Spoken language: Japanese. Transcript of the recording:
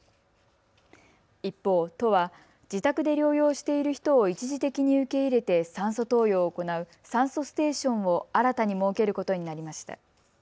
一方、都は自宅で療養している人を一時的に受け入れて酸素投与を行う酸素ステーションを新たに設けることになりました。